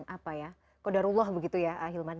apa ya kodarullah begitu ya ahilman